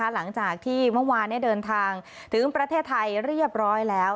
หลังจากที่เมื่อวานเดินทางถึงประเทศไทยเรียบร้อยแล้ว